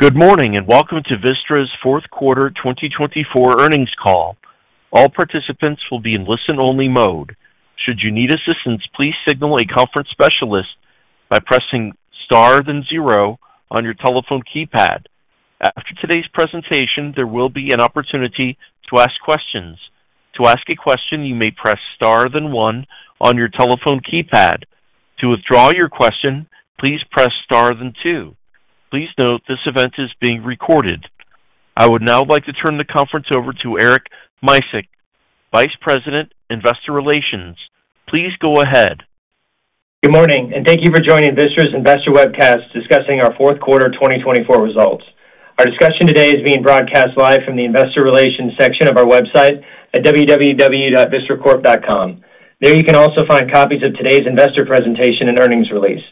Good morning and welcome to Vistra's fourth quarter 2024 earnings call. All participants will be in listen-only mode. Should you need assistance, please signal a conference specialist by pressing star then zero on your telephone keypad. After today's presentation, there will be an opportunity to ask questions. To ask a question, you may press star then one on your telephone keypad. To withdraw your question, please press star then two. Please note this event is being recorded. I would now like to turn the conference over to Eric Musick, Vice President, Investor Relations. Please go ahead. Good morning and thank you for joining Vistra's Investor Webcast discussing our fourth quarter 2024 results. Our discussion today is being broadcast live from the Investor Relations section of our website at www.vistracorp.com. There you can also find copies of today's investor presentation and earnings release.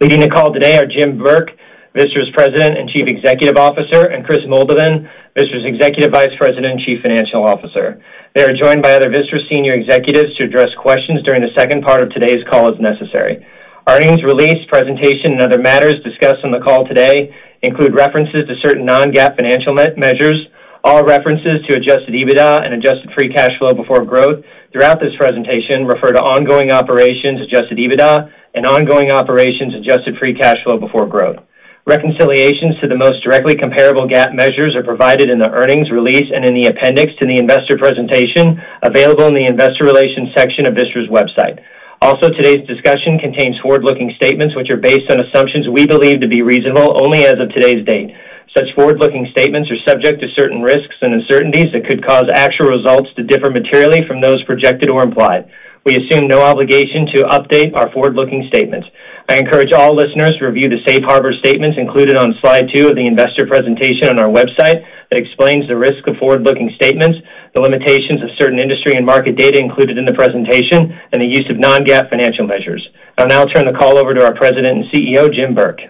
Leading the call today are Jim Burke, Vistra's President and Chief Executive Officer, and Kris Moldovan, Vistra's Executive Vice President and Chief Financial Officer. They are joined by other Vistra senior executives to address questions during the second part of today's call as necessary. Earnings release, presentation, and other matters discussed on the call today include references to certain non-GAAP financial measures, all references to Adjusted EBITDA and Adjusted Free Cash Flow before Growth. Throughout this presentation, refer to ongoing operations, Adjusted EBITDA, and ongoing operations, Adjusted Free Cash Flow before Growth. Reconciliations to the most directly comparable GAAP measures are provided in the earnings release and in the appendix to the investor presentation available in the Investor Relations section of Vistra's website. Also, today's discussion contains forward-looking statements which are based on assumptions we believe to be reasonable only as of today's date. Such forward-looking statements are subject to certain risks and uncertainties that could cause actual results to differ materially from those projected or implied. We assume no obligation to update our forward-looking statements. I encourage all listeners to review the safe harbor statements included on Slide two of the investor presentation on our website that explains the risk of forward-looking statements, the limitations of certain industry and market data included in the presentation, and the use of non-GAAP financial measures. I'll now turn the call over to our President and CEO, Jim Burke.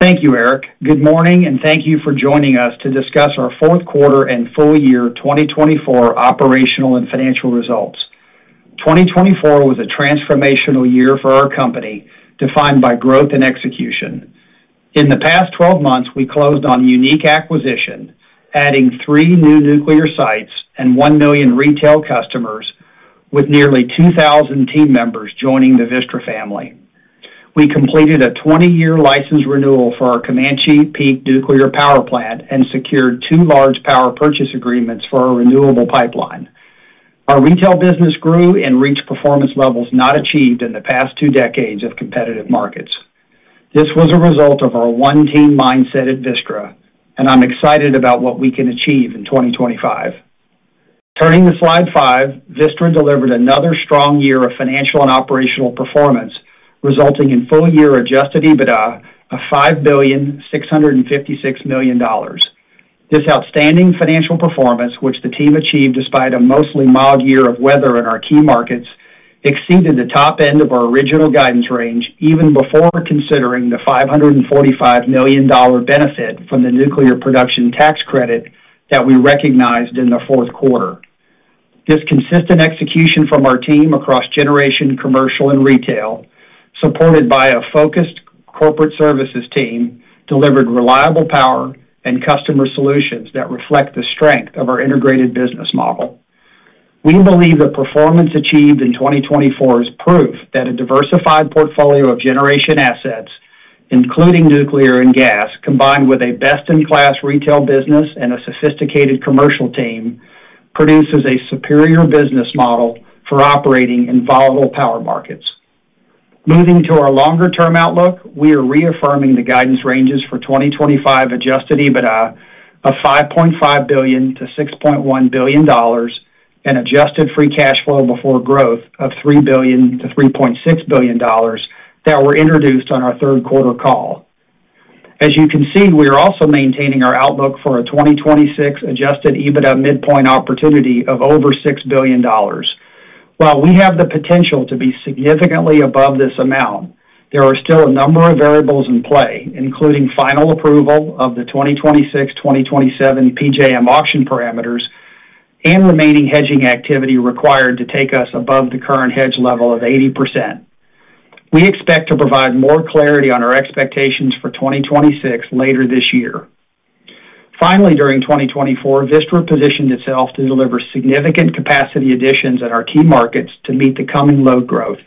Thank you, Eric. Good morning and thank you for joining us to discuss our fourth quarter and full year 2024 operational and financial results. 2024 was a transformational year for our company defined by growth and execution. In the past 12 months, we closed on a unique acquisition, adding three new nuclear sites and 1 million retail customers, with nearly 2,000 team members joining the Vistra family. We completed a 20-year license renewal for our Comanche Peak Nuclear Power Plant and secured two large power purchase agreements for our renewable pipeline. Our retail business grew and reached performance levels not achieved in the past two decades of competitive markets. This was a result of our one-team mindset at Vistra, and I'm excited about what we can achieve in 2025. Turning to Slide five, Vistra delivered another strong year of financial and operational performance, resulting in full-year Adjusted EBITDA of $5,656 million. This outstanding financial performance, which the team achieved despite a mostly mild year of weather in our key markets, exceeded the top end of our original guidance range even before considering the $545 million benefit from the nuclear production tax credit that we recognized in the fourth quarter. This consistent execution from our team across generation, commercial, and retail, supported by a focused corporate services team, delivered reliable power and customer solutions that reflect the strength of our integrated business model. We believe the performance achieved in 2024 is proof that a diversified portfolio of generation assets, including nuclear and gas, combined with a best-in-class retail business and a sophisticated commercial team, produces a superior business model for operating in volatile power markets. Moving to our longer-term outlook, we are reaffirming the guidance ranges for 2025 Adjusted EBITDA of $5.5 billion-$6.1 billion and Adjusted Free Cash Flow before Growth of $3 billion-$3.6 billion that were introduced on our third quarter call. As you can see, we are also maintaining our outlook for a 2026 Adjusted EBITDA midpoint opportunity of over $6 billion. While we have the potential to be significantly above this amount, there are still a number of variables in play, including final approval of the 2026-2027 PJM auction parameters and remaining hedging activity required to take us above the current hedge level of 80%. We expect to provide more clarity on our expectations for 2026 later this year. Finally, during 2024, Vistra positioned itself to deliver significant capacity additions in our key markets to meet the coming load growth.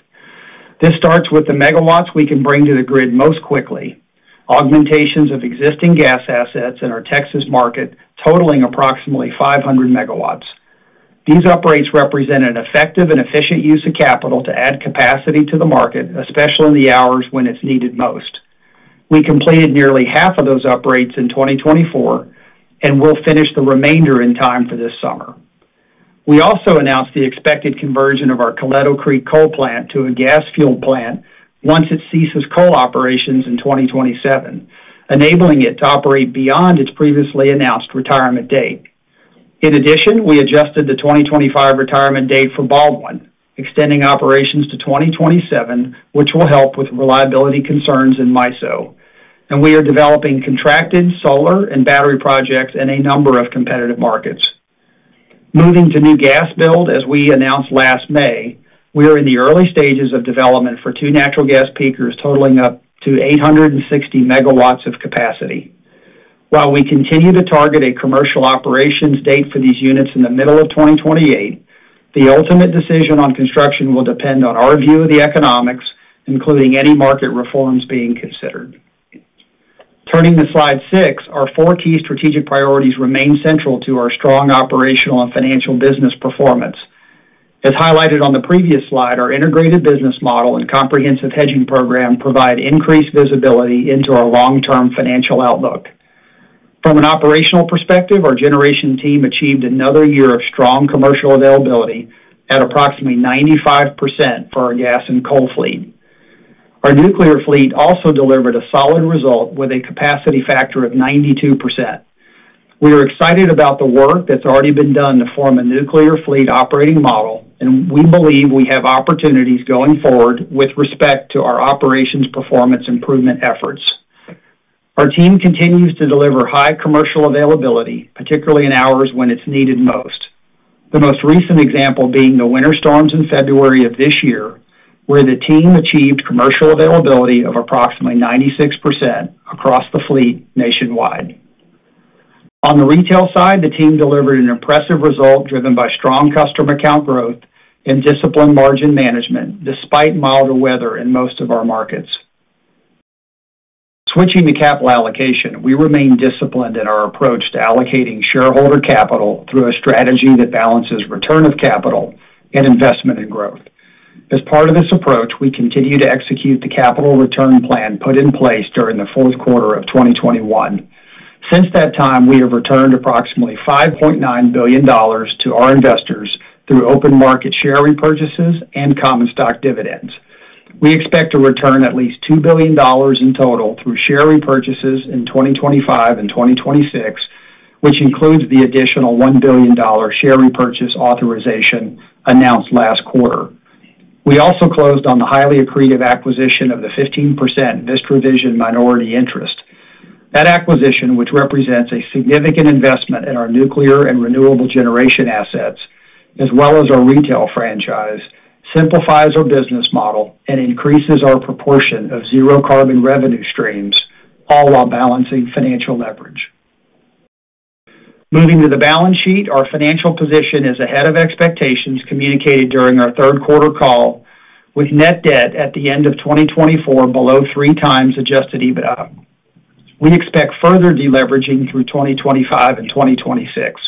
This starts with the megawatts we can bring to the grid most quickly, augmentations of existing gas assets in our Texas market totaling approximately 500 MWs. These uprates represent an effective and efficient use of capital to add capacity to the market, especially in the hours when it's needed most. We completed nearly half of those uprates in 2024 and will finish the remainder in time for this summer. We also announced the expected conversion of our Coleto Creek coal plant to a gas-fueled plant once it ceases coal operations in 2027, enabling it to operate beyond its previously announced retirement date. In addition, we adjusted the 2025 retirement date for Baldwin, extending operations to 2027, which will help with reliability concerns in MISO. We are developing contracted solar and battery projects in a number of competitive markets. Moving to new gas build, as we announced last May, we are in the early stages of development for two natural gas peakers totaling up to 860 MWs of capacity. While we continue to target a commercial operations date for these units in the middle of 2028, the ultimate decision on construction will depend on our view of the economics, including any market reforms being considered. Turning to Slide six, our four key strategic priorities remain central to our strong operational and financial business performance. As highlighted on the previous Slide, our integrated business model and comprehensive hedging program provide increased visibility into our long-term financial outlook. From an operational perspective, our generation team achieved another year of strong commercial availability at approximately 95% for our gas and coal fleet. Our nuclear fleet also delivered a solid result with a capacity factor of 92%. We are excited about the work that's already been done to form a nuclear fleet operating model, and we believe we have opportunities going forward with respect to our operations performance improvement efforts. Our team continues to deliver high commercial availability, particularly in hours when it's needed most. The most recent example being the winter storms in February of this year, where the team achieved commercial availability of approximately 96% across the fleet nationwide. On the retail side, the team delivered an impressive result driven by strong customer account growth and disciplined margin management despite milder weather in most of our markets. Switching to capital allocation, we remain disciplined in our approach to allocating shareholder capital through a strategy that balances return of capital and investment in growth. As part of this approach, we continue to execute the capital return plan put in place during the fourth quarter of 2021. Since that time, we have returned approximately $5.9 billion to our investors through open market share repurchases and common stock dividends. We expect to return at least $2 billion in total through share repurchases in 2025 and 2026, which includes the additional $1 billion share repurchase authorization announced last quarter. We also closed on the highly accretive acquisition of the 15% Vistra Vision minority interest. That acquisition, which represents a significant investment in our nuclear and renewable generation assets, as well as our retail franchise, simplifies our business model and increases our proportion of zero-carbon revenue streams, all while balancing financial leverage. Moving to the balance sheet, our financial position is ahead of expectations communicated during our third quarter call, with net debt at the end of 2024 below 3x Adjusted EBITDA. We expect further deleveraging through 2025 and 2026.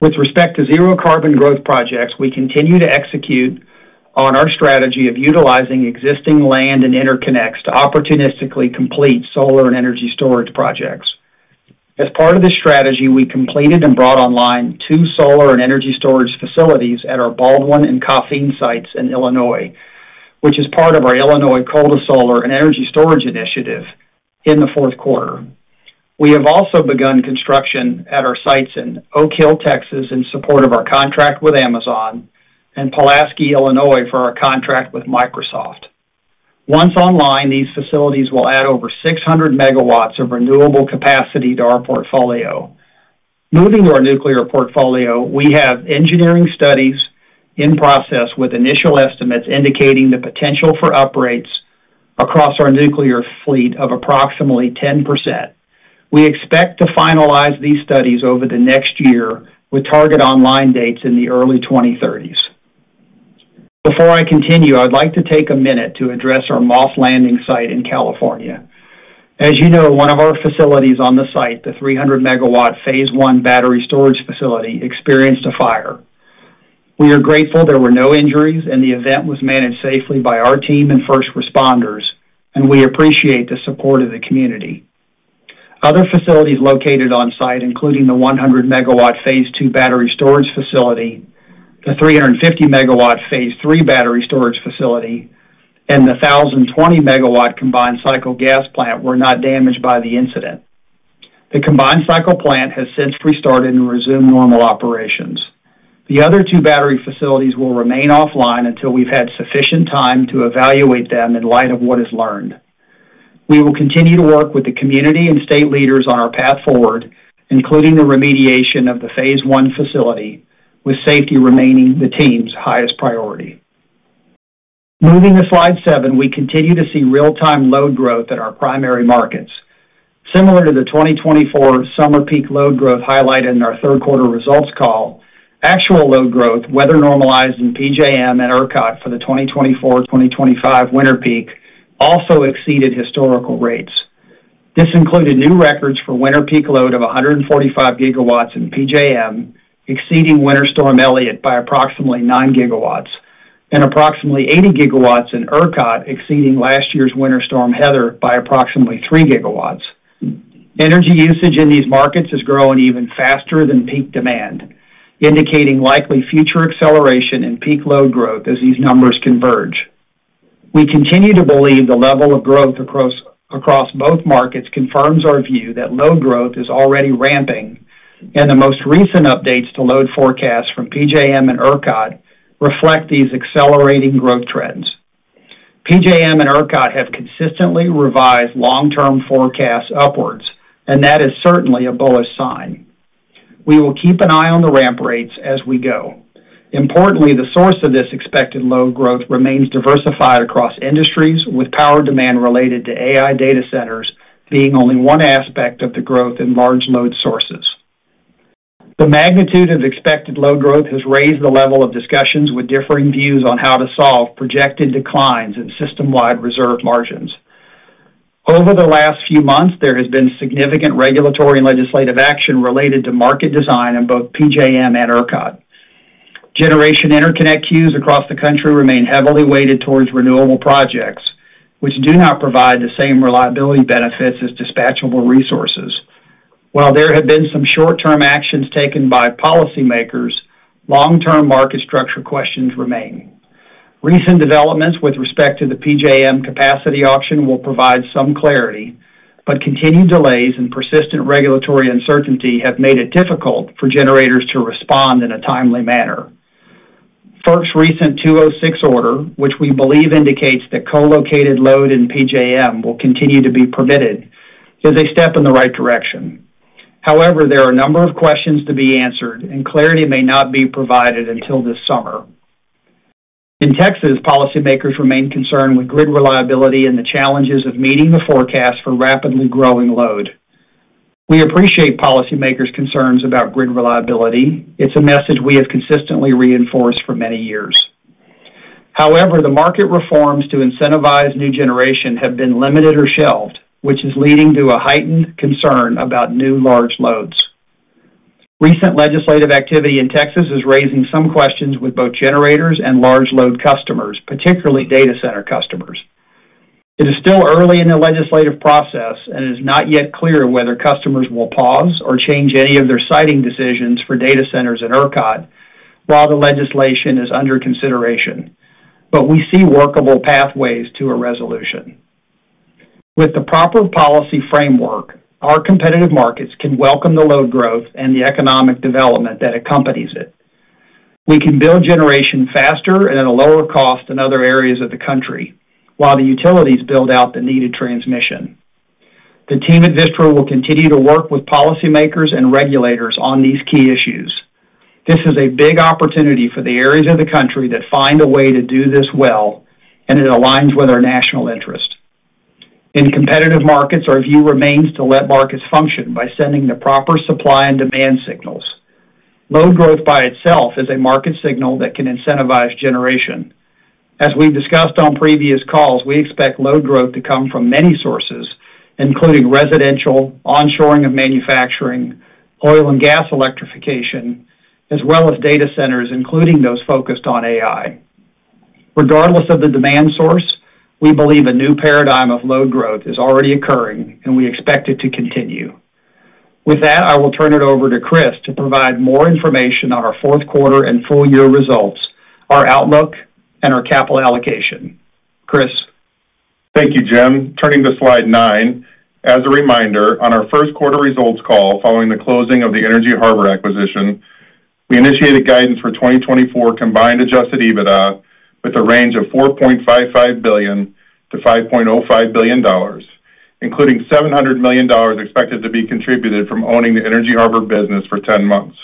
With respect to zero-carbon growth projects, we continue to execute on our strategy of utilizing existing land and interconnects to opportunistically complete solar and energy storage projects. As part of this strategy, we completed and brought online two solar and energy storage facilities at our Baldwin and Coffeen sites in Illinois, which is part of our Illinois Coal to Solar and Energy Storage Initiative in the fourth quarter. We have also begun construction at our sites in Oak Hill, Texas, in support of our contract with Amazon and Pulaski County, Illinois for our contract with Microsoft. Once online, these facilities will add over 600 MWs of renewable capacity to our portfolio. Moving to our nuclear portfolio, we have engineering studies in process with initial estimates indicating the potential for uprates across our nuclear fleet of approximately 10%. We expect to finalize these studies over the next year with target online dates in the early 2030s. Before I continue, I'd like to take a minute to address our Moss Landing site in California. As you know, one of our facilities on the site, the 300-MW Phase I battery storage facility, experienced a fire. We are grateful there were no injuries and the event was managed safely by our team and first responders, and we appreciate the support of the community. Other facilities located on site, including the 100-MW Phase II battery storage facility, the 350-MW Phase III battery storage facility, and the 1,020-MW combined cycle gas plant, were not damaged by the incident. The combined cycle plant has since restarted and resumed normal operations. The other two battery facilities will remain offline until we've had sufficient time to evaluate them in light of what is learned. We will continue to work with the community and state leaders on our path forward, including the remediation of the Phase I facility, with safety remaining the team's highest priority. Moving to Slide seven, we continue to see real-time load growth at our primary markets. Similar to the 2024 summer peak load growth highlighted in our third quarter results call, actual load growth, whether normalized in PJM and ERCOT for the 2024-2025 winter peak, also exceeded historical rates. This included new records for winter peak load of 145 GWs in PJM, exceeding winter storm Elliott by approximately 9 GWs, and approximately 80 GWs in ERCOT, exceeding last year's winter storm Heather by approximately 3 GWs. Energy usage in these markets is growing even faster than peak demand, indicating likely future acceleration in peak load growth as these numbers converge. We continue to believe the level of growth across both markets confirms our view that load growth is already ramping, and the most recent updates to load forecasts from PJM and ERCOT reflect these accelerating growth trends. PJM and ERCOT have consistently revised long-term forecasts upwards, and that is certainly a bullish sign. We will keep an eye on the ramp rates as we go. Importantly, the source of this expected load growth remains diversified across industries, with power demand related to AI data centers being only one aspect of the growth in large load sources. The magnitude of expected load growth has raised the level of discussions with differing views on how to solve projected declines in system-wide reserve margins. Over the last few months, there has been significant regulatory and legislative action related to market design in both PJM and ERCOT. Generation interconnect queues across the country remain heavily weighted towards renewable projects, which do not provide the same reliability benefits as dispatchable resources. While there have been some short-term actions taken by policymakers, long-term market structure questions remain. Recent developments with respect to the PJM capacity auction will provide some clarity, but continued delays and persistent regulatory uncertainty have made it difficult for generators to respond in a timely manner. FERC's recent 206 order, which we believe indicates that co-located load in PJM will continue to be permitted, is a step in the right direction. However, there are a number of questions to be answered, and clarity may not be provided until this summer. In Texas, policymakers remain concerned with grid reliability and the challenges of meeting the forecast for rapidly growing load. We appreciate policymakers' concerns about grid reliability. It's a message we have consistently reinforced for many years. However, the market reforms to incentivize new generation have been limited or shelved, which is leading to a heightened concern about new large loads. Recent legislative activity in Texas is raising some questions with both generators and large load customers, particularly data center customers. It is still early in the legislative process, and it is not yet clear whether customers will pause or change any of their siting decisions for data centers and ERCOT while the legislation is under consideration. But we see workable pathways to a resolution. With the proper policy framework, our competitive markets can welcome the load growth and the economic development that accompanies it. We can build generation faster and at a lower cost than other areas of the country, while the utilities build out the needed transmission. The team at Vistra will continue to work with policymakers and regulators on these key issues. This is a big opportunity for the areas of the country that find a way to do this well, and it aligns with our national interest. In competitive markets, our view remains to let markets function by sending the proper supply and demand signals. Load growth by itself is a market signal that can incentivize generation. As we've discussed on previous calls, we expect load growth to come from many sources, including residential, onshoring of manufacturing, oil and gas electrification, as well as data centers, including those focused on AI. Regardless of the demand source, we believe a new paradigm of load growth is already occurring, and we expect it to continue. With that, I will turn it over to Kris to provide more information on our fourth quarter and full year results, our outlook, and our capital allocation. Kris. Thank you, Jim. Turning to Slide nine, as a reminder, on our first quarter results call following the closing of the Energy Harbor acquisition, we initiated guidance for 2024 combined Adjusted EBITDA with a range of $4.55 billion-$5.05 billion, including $700 million expected to be contributed from owning the Energy Harbor business for 10 months.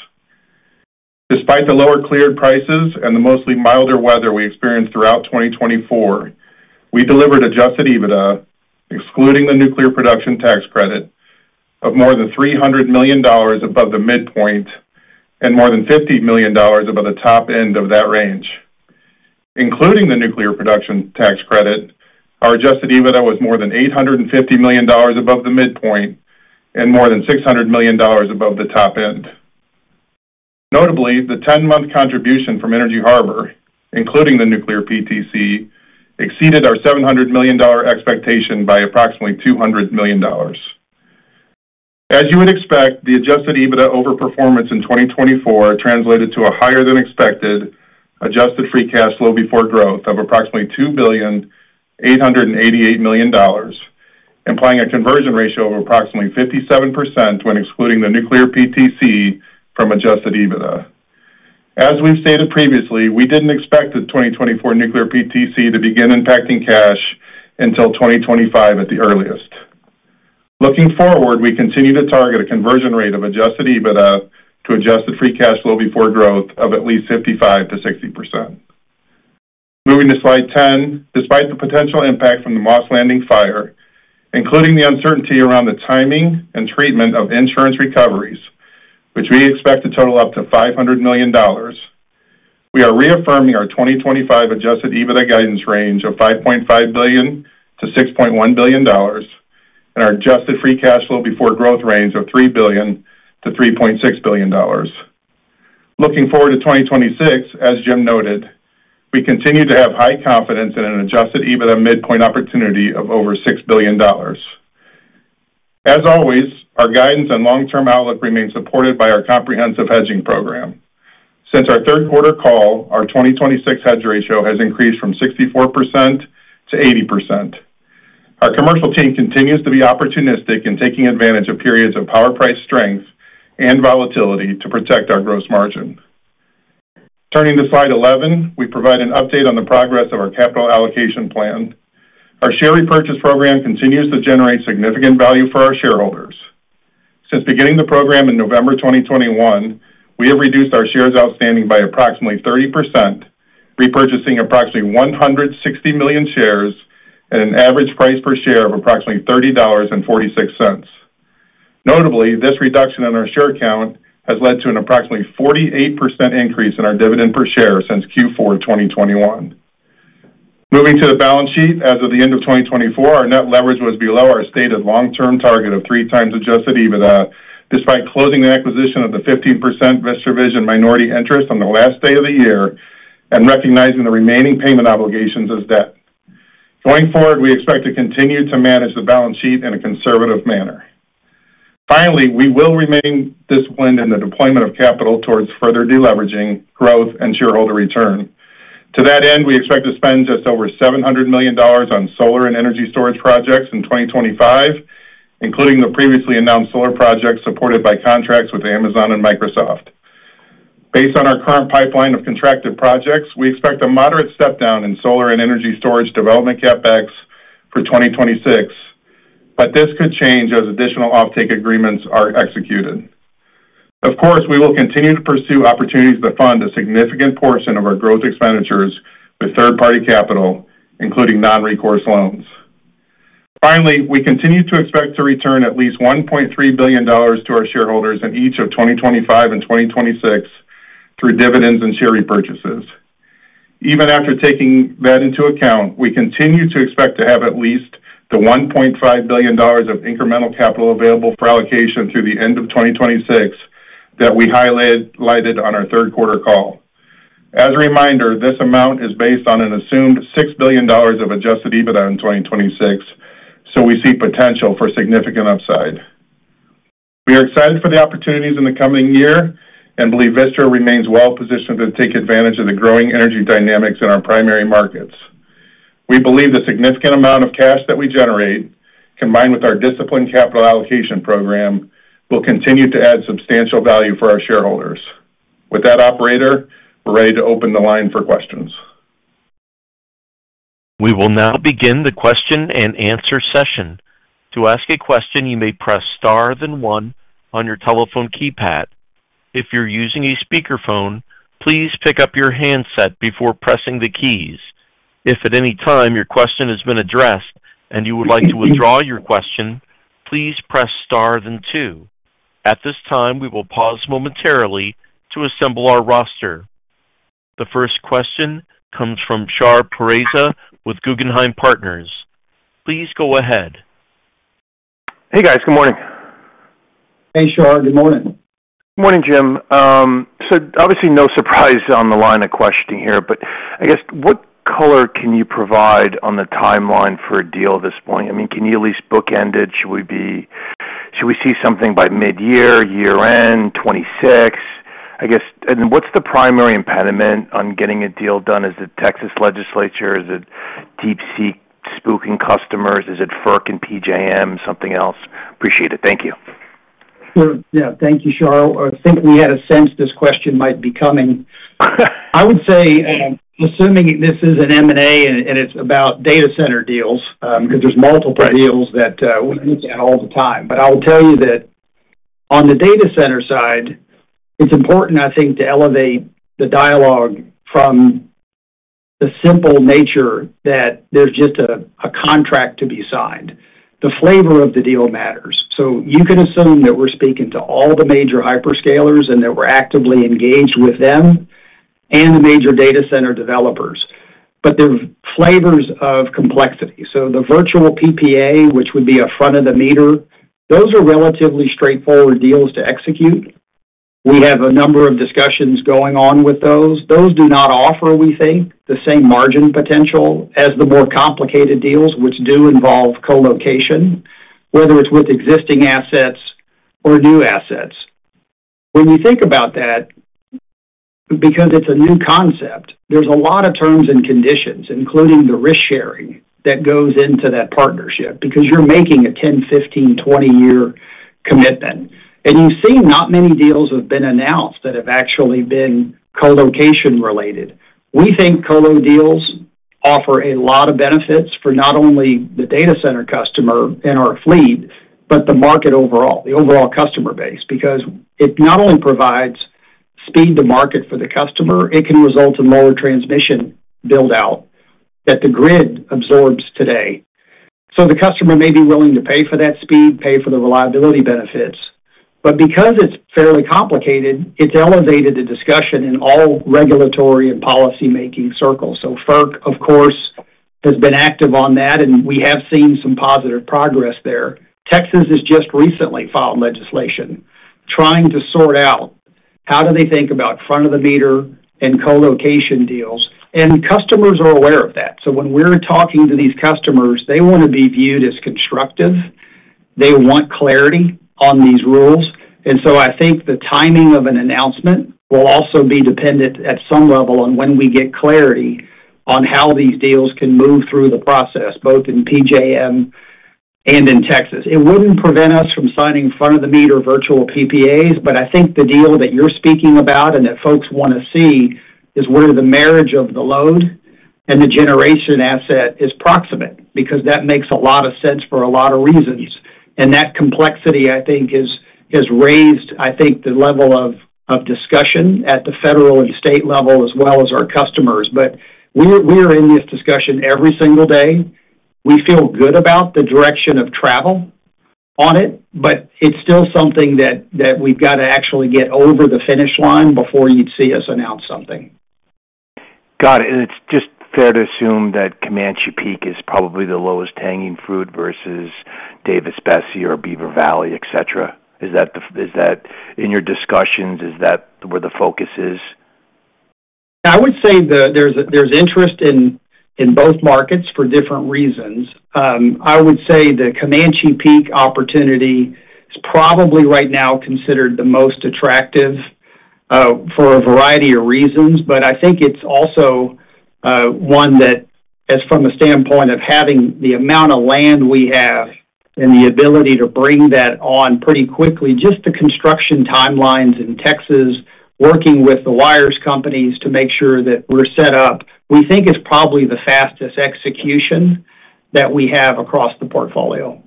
Despite the lower cleared prices and the mostly milder weather we experienced throughout 2024, we delivered Adjusted EBITDA, excluding the nuclear production tax credit, of more than $300 million above the midpoint and more than $50 million above the top end of that range. Including the nuclear production tax credit, our Adjusted EBITDA was more than $850 million above the midpoint and more than $600 million above the top end. Notably, the 10-month contribution from Energy Harbor, including the nuclear PTC, exceeded our $700 million expectation by approximately $200 million. As you would expect, the Adjusted EBITDA overperformance in 2024 translated to a higher-than-expected Adjusted Free Cash Flow before Growth of approximately $2.888 billion, implying a conversion ratio of approximately 57% when excluding the nuclear PTC from Adjusted EBITDA. As we've stated previously, we didn't expect the 2024 nuclear PTC to begin impacting cash until 2025 at the earliest. Looking forward, we continue to target a conversion rate of Adjusted EBITDA to Adjusted Free Cash Flow before Growth of at least 55%-60%. Moving to Slide 10, despite the potential impact from the Moss Landing fire, including the uncertainty around the timing and treatment of insurance recoveries, which we expect to total up to $500 million, we are reaffirming our 2025 Adjusted EBITDA guidance range of $5.5 billion-$6.1 billion and our Adjusted Free Cash Flow before Growth range of $3 billion-$3.6 billion. Looking forward to 2026, as Jim noted, we continue to have high confidence in an Adjusted EBITDA midpoint opportunity of over $6 billion. As always, our guidance and long-term outlook remain supported by our comprehensive hedging program. Since our third quarter call, our 2026 hedge ratio has increased from 64%-80%. Our commercial team continues to be opportunistic in taking advantage of periods of power price strength and volatility to protect our gross margin. Turning to Slide 11, we provide an update on the progress of our capital allocation plan. Our share repurchase program continues to generate significant value for our shareholders. Since beginning the program in November 2021, we have reduced our shares outstanding by approximately 30%, repurchasing approximately 160 million shares at an average price per share of approximately $30.46. Notably, this reduction in our share count has led to an approximately 48% increase in our dividend per share since Q4 2021. Moving to the balance sheet, as of the end of 2024, our net leverage was below our stated long-term target of 3x Adjusted EBITDA, despite closing the acquisition of the 15% Vistra Vision minority interest on the last day of the year and recognizing the remaining payment obligations as debt. Going forward, we expect to continue to manage the balance sheet in a conservative manner. Finally, we will remain disciplined in the deployment of capital towards further deleveraging, growth, and shareholder return. To that end, we expect to spend just over $700 million on solar and energy storage projects in 2025, including the previously announced solar projects supported by contracts with Amazon and Microsoft. Based on our current pipeline of contracted projects, we expect a moderate step down in solar and energy storage development CapEx for 2026, but this could change as additional offtake agreements are executed. Of course, we will continue to pursue opportunities to fund a significant portion of our growth expenditures with third-party capital, including non-recourse loans. Finally, we continue to expect to return at least $1.3 billion to our shareholders in each of 2025 and 2026 through dividends and share repurchases. Even after taking that into account, we continue to expect to have at least the $1.5 billion of incremental capital available for allocation through the end of 2026 that we highlighted on our third quarter call. As a reminder, this amount is based on an assumed $6 billion of Adjusted EBITDA in 2026, so we see potential for significant upside. We are excited for the opportunities in the coming year and believe Vistra remains well-positioned to take advantage of the growing energy dynamics in our primary markets. We believe the significant amount of cash that we generate, combined with our disciplined capital allocation program, will continue to add substantial value for our shareholders. With that, Operator, we're ready to open the line for questions. We will now begin the question-and-answer session. To ask a question, you may press star then one on your telephone keypad. If you're using a speakerphone, please pick up your handset before pressing the keys. If at any time your question has been addressed and you would like to withdraw your question, please press star then two. At this time, we will pause momentarily to assemble our roster. The first question comes from Shah Pourreza with Guggenheim Partners. Please go ahead. Hey, guys. Good morning. Hey, Shah. Good morning. Good morning, Jim. So obviously, no surprise on the line of questioning here, but I guess what color can you provide on the timeline for a deal at this point? I mean, can you at least bookend it? Should we see something by mid-year, year-end, 2026? I guess, and what's the primary impediment on getting a deal done? Is it Texas legislature? Is it D.C. spooking customers? Is it FERC and PJM? Something else? Appreciate it. Thank you. Sure. Yeah. Thank you, Shah. I think we had a sense this question might be coming. I would say, assuming this is an M&A and it's about data center deals, because there's multiple deals that we look at all the time. But I will tell you that on the data center side, it's important, I think, to elevate the dialogue from the simple nature that there's just a contract to be signed. The flavor of the deal matters. So you can assume that we're speaking to all the major hyperscalers and that we're actively engaged with them and the major data center developers. But there are flavors of complexity. So the virtual PPA, which would be a front-of-the-meter, those are relatively straightforward deals to execute. We have a number of discussions going on with those. Those do not offer, we think, the same margin potential as the more complicated deals, which do involve co-location, whether it's with existing assets or new assets. When you think about that, because it's a new concept, there's a lot of terms and conditions, including the risk-sharing that goes into that partnership, because you're making a 10, 15, 20-year commitment, and you've seen not many deals have been announced that have actually been co-location related. We think co-lo deals offer a lot of benefits for not only the data center customer and our fleet, but the market overall, the overall customer base, because it not only provides speed to market for the customer, it can result in lower transmission build-out that the grid absorbs today, so the customer may be willing to pay for that speed, pay for the reliability benefits, but because it's fairly complicated, it's elevated the discussion in all regulatory and policymaking circles, so FERC, of course, has been active on that, and we have seen some positive progress there. Texas has just recently filed legislation trying to sort out how do they think about front-of-the-meter and co-location deals, and customers are aware of that, so when we're talking to these customers, they want to be viewed as constructive. They want clarity on these rules, and so I think the timing of an announcement will also be dependent at some level on when we get clarity on how these deals can move through the process, both in PJM and in Texas. It wouldn't prevent us from signing front-of-the-meter virtual PPAs, but I think the deal that you're speaking about and that folks want to see is where the marriage of the load and the generation asset is proximate, because that makes a lot of sense for a lot of reasons. That complexity, I think, has raised, I think, the level of discussion at the federal and state level as well as our customers. We are in this discussion every single day. We feel good about the direction of travel on it, but it's still something that we've got to actually get over the finish line before you'd see us announce something. Got it. It's just fair to assume that Comanche Peak is probably the lowest hanging fruit versus Davis-Besse or Beaver Valley, etc. Is that in your discussions? Is that where the focus is? Yeah. I would say there's interest in both markets for different reasons. I would say the Comanche Peak opportunity is probably right now considered the most attractive for a variety of reasons, but I think it's also one that, from the standpoint of having the amount of land we have and the ability to bring that on pretty quickly, just the construction timelines in Texas, working with the wires companies to make sure that we're set up, we think it's probably the fastest execution that we have across the portfolio.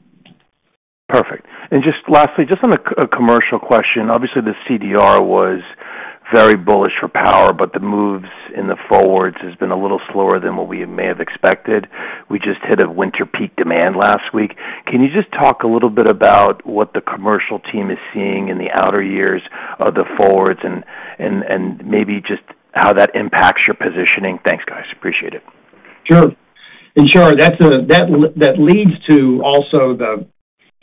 Perfect. And just lastly, just on a commercial question, obviously, the CDR was very bullish for power, but the moves in the forwards have been a little slower than what we may have expected. We just hit a winter peak demand last week. Can you just talk a little bit about what the commercial team is seeing in the outer years of the forwards and maybe just how that impacts your positioning? Thanks, guys. Appreciate it. Sure. And, Shah, that leads to also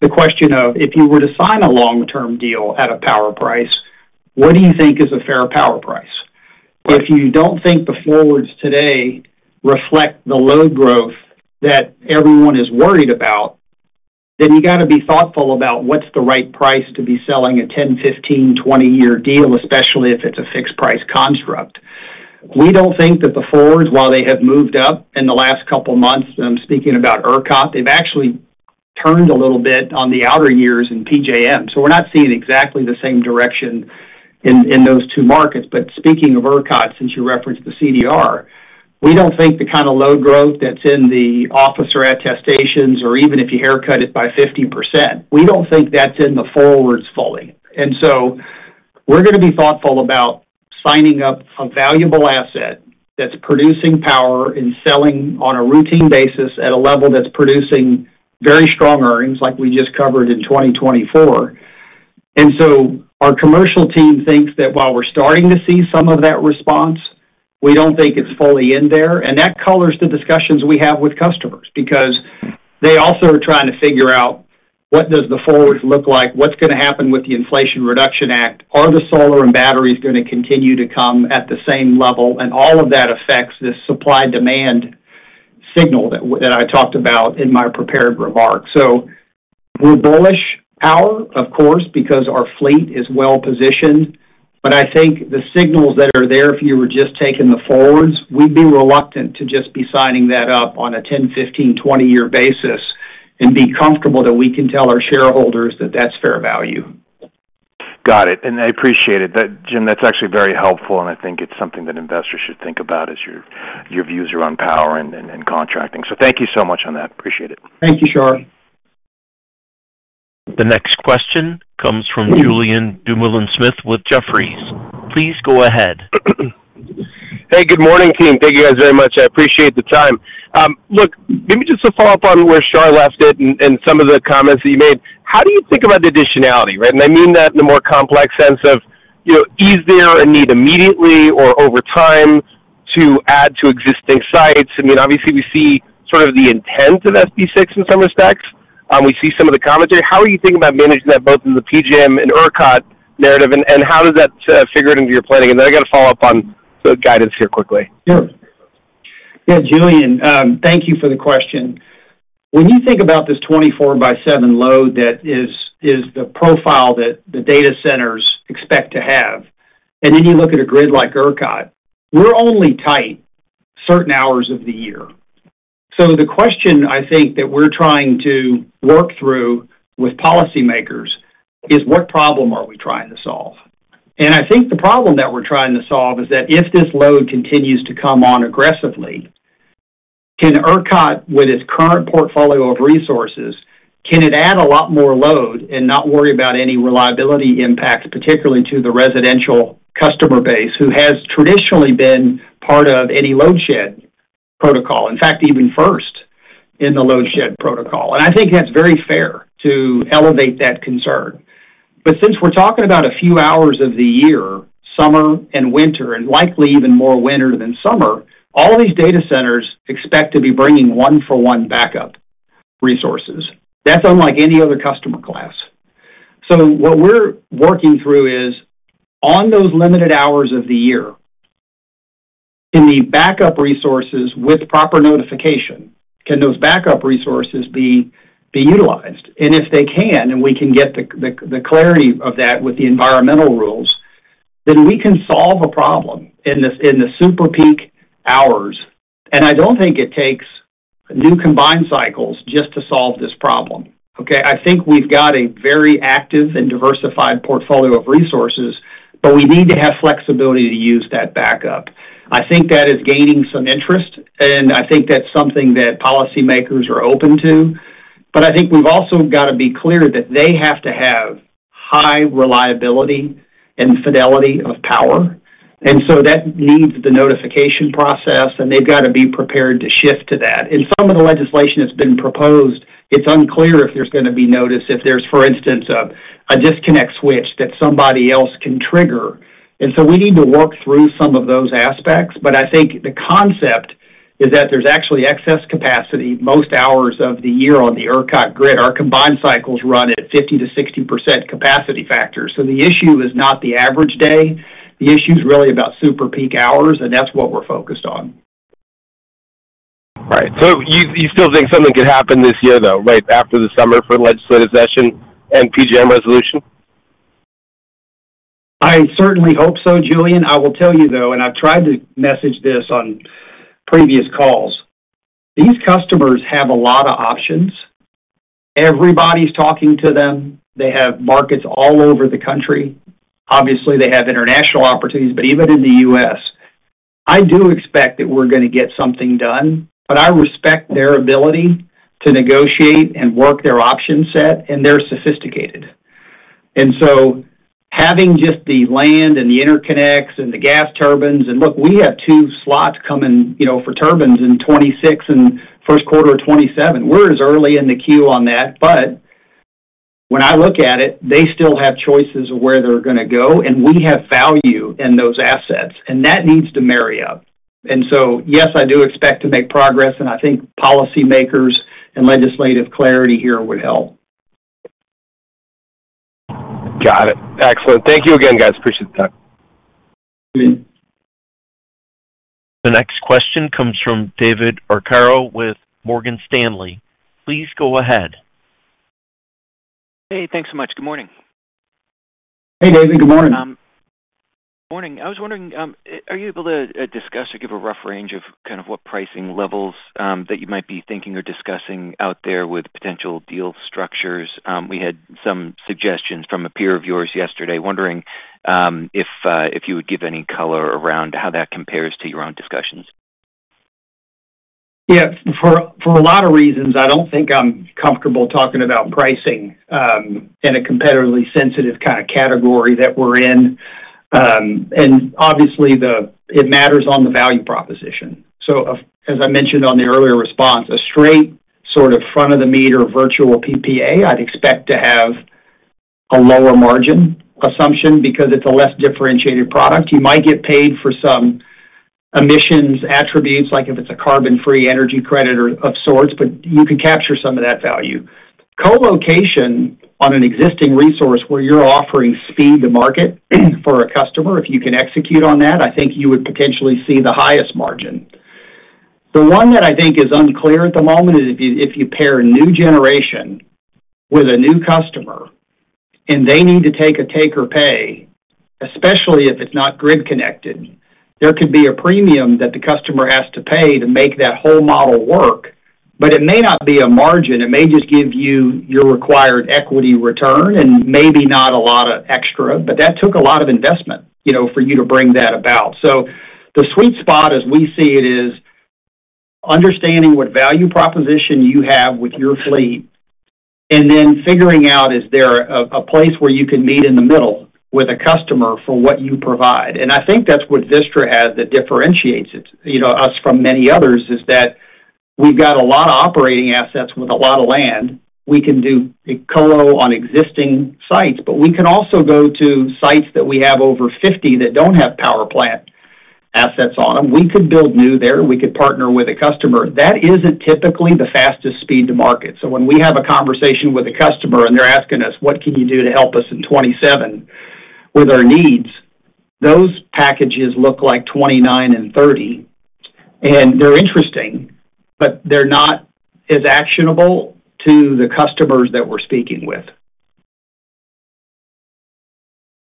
the question of, if you were to sign a long-term deal at a power price, what do you think is a fair power price? If you don't think the forwards today reflect the load growth that everyone is worried about, then you got to be thoughtful about what's the right price to be selling a 10, 15, 20-year deal, especially if it's a fixed-price construct. We don't think that the forwards, while they have moved up in the last couple of months, and I'm speaking about ERCOT, they've actually turned a little bit on the outer years in PJM. So we're not seeing exactly the same direction in those two markets. But speaking of ERCOT, since you referenced the CDR, we don't think the kind of load growth that's in the officer attestations or even if you haircut it by 50%, we don't think that's in the forwards fully. And so we're going to be thoughtful about signing up a valuable asset that's producing power and selling on a routine basis at a level that's producing very strong earnings like we just covered in 2024. And so our commercial team thinks that while we're starting to see some of that response, we don't think it's fully in there. And that colors the discussions we have with customers because they also are trying to figure out what does the forwards look like, what's going to happen with the Inflation Reduction Act, are the solar and batteries going to continue to come at the same level, and all of that affects this supply-demand signal that I talked about in my prepared remarks. So we're bullish power, of course, because our fleet is well-positioned. But I think the signals that are there, if you were just taking the forwards, we'd be reluctant to just be signing that up on a 10, 15, 20-year basis and be comfortable that we can tell our shareholders that that's fair value. Got it. And I appreciate it. Jim, that's actually very helpful, and I think it's something that investors should think about as your views are on power and contracting. So thank you so much on that. Appreciate it. Thank you, Shah. The next question comes from Julien Dumoulin-Smith with Jefferies. Please go ahead. Hey, good morning, team. Thank you guys very much. I appreciate the time. Look, maybe just to follow up on where Shah left it and some of the comments that you made, how do you think about the additionality, right? And I mean that in a more complex sense of, is there a need immediately or over time to add to existing sites? I mean, obviously, we see sort of the intent of SB 6 in some respects. We see some of the commentary. How are you thinking about managing that both in the PJM and ERCOT narrative, and how does that figure into your planning? And then I got to follow up on the guidance here quickly. Sure. Yeah, Julien, thank you for the question. When you think about this 24 by 7 load that is the profile that the data centers expect to have, and then you look at a grid like ERCOT, we're only tight certain hours of the year. So the question, I think, that we're trying to work through with policymakers is, what problem are we trying to solve? And I think the problem that we're trying to solve is that if this load continues to come on aggressively, can ERCOT, with its current portfolio of resources, add a lot more load and not worry about any reliability impacts, particularly to the residential customer base who has traditionally been part of any load shed protocol, in fact, even first in the load shed protocol? And I think that's very fair to elevate that concern. But since we're talking about a few hours of the year, summer and winter, and likely even more winter than summer, all these data centers expect to be bringing one-for-one backup resources. That's unlike any other customer class. So what we're working through is, on those limited hours of the year, can the backup resources, with proper notification, can those backup resources be utilized? And if they can, and we can get the clarity of that with the environmental rules, then we can solve a problem in the super peak hours. And I don't think it takes new combined cycles just to solve this problem. Okay? I think we've got a very active and diversified portfolio of resources, but we need to have flexibility to use that backup. I think that is gaining some interest, and I think that's something that policymakers are open to. But I think we've also got to be clear that they have to have high reliability and fidelity of power. And so that needs the notification process, and they've got to be prepared to shift to that. And some of the legislation has been proposed, it's unclear if there's going to be notice if there's, for instance, a disconnect switch that somebody else can trigger. And so we need to work through some of those aspects. But I think the concept is that there's actually excess capacity most hours of the year on the ERCOT grid. Our combined cycles run at 50%-60% capacity factor. So the issue is not the average day. The issue is really about super peak hours, and that's what we're focused on. Right. So you still think something could happen this year, though, right after the summer for legislative session and PJM resolution? I certainly hope so, Julien. I will tell you, though, and I've tried to message this on previous calls, these customers have a lot of options. Everybody's talking to them. They have markets all over the country. Obviously, they have international opportunities, but even in the U.S., I do expect that we're going to get something done. But I respect their ability to negotiate and work their option set, and they're sophisticated. And so having just the land and the interconnects and the gas turbines, and look, we have two slots coming for turbines in 2026 and first quarter of 2027. We're as early in the queue on that. But when I look at it, they still have choices of where they're going to go, and we have value in those assets, and that needs to marry up. And so, yes, I do expect to make progress, and I think policymakers and legislative clarity here would help. Got it. Excellent. Thank you again, guys. Appreciate the time. The next question comes from David Arcaro with Morgan Stanley. Please go ahead. Hey, thanks so much. Good morning. Hey, David. Good morning. Morning. I was wondering, are you able to discuss or give a rough range of kind of what pricing levels that you might be thinking or discussing out there with potential deal structures? We had some suggestions from a peer of yours yesterday, wondering if you would give any color around how that compares to your own discussions. Yeah. For a lot of reasons, I don't think I'm comfortable talking about pricing in a competitively sensitive kind of category that we're in. And obviously, it matters on the value proposition. As I mentioned on the earlier response, a straight sort of front-of-the-meter virtual PPA, I'd expect to have a lower margin assumption because it's a less differentiated product. You might get paid for some emissions attributes, like if it's a carbon-free energy credit of sorts, but you can capture some of that value. Co-location on an existing resource where you're offering speed to market for a customer, if you can execute on that, I think you would potentially see the highest margin. The one that I think is unclear at the moment is if you pair a new generation with a new customer and they need to take a take or pay, especially if it's not grid-connected, there could be a premium that the customer has to pay to make that whole model work, but it may not be a margin. It may just give you your required equity return and maybe not a lot of extra, but that took a lot of investment for you to bring that about. So the sweet spot, as we see it, is understanding what value proposition you have with your fleet and then figuring out, is there a place where you can meet in the middle with a customer for what you provide? And I think that's what Vistra has that differentiates us from many others is that we've got a lot of operating assets with a lot of land. We can do a co-lo on existing sites, but we can also go to sites that we have over 50 that don't have power plant assets on them. We could build new there. We could partner with a customer. That isn't typically the fastest speed to market. So when we have a conversation with a customer and they're asking us, "What can you do to help us in 2027 with our needs?" those packages look like 2029 and 2030, and they're interesting, but they're not as actionable to the customers that we're speaking with.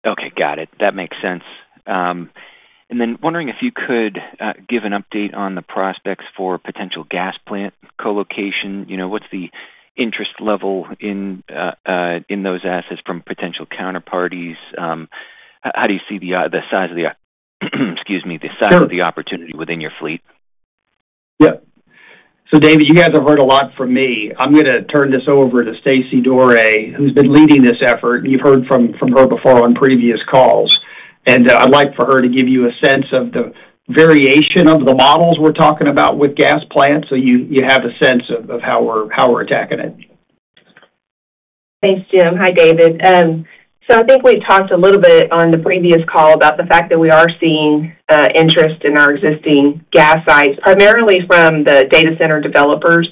Okay. Got it. That makes sense. And then wondering if you could give an update on the prospects for potential gas plant co-location. What's the interest level in those assets from potential counterparties? How do you see the size of the, excuse me, the size of the opportunity within your fleet? Yeah. So, David, you guys have heard a lot from me. I'm going to turn this over to Stacey Doré, who's been leading this effort. You've heard from her before on previous calls, and I'd like for her to give you a sense of the variation of the models we're talking about with gas plants so you have a sense of how we're attacking it. Thanks, Jim. Hi, David, so I think we've talked a little bit on the previous call about the fact that we are seeing interest in our existing gas sites, primarily from the data center developers